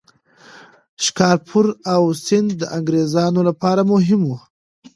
شکارپور او سند د انګریزانو لپاره مهم وو.